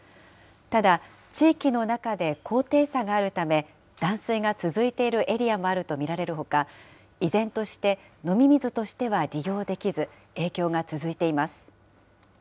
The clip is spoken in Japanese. ただ、地域の中で高低差があるため、断水が続いているエリアもあると見られるほか、依然として、飲み水としては利用できず、影響が続いています。